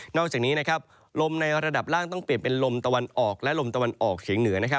อกจากนี้ลมในระดับล่างต้องเปลี่ยนเป็นลมตะวันออกและลมตะวันออกเฉียงเหนือ